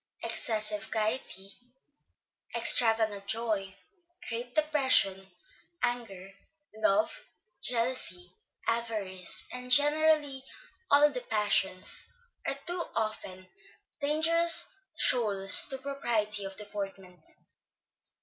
Excessive gaiety, extravagant joy, great depression, anger, love, jealousy, avarice, and generally all the passions, are too often dangerous shoals to propriety of deportment.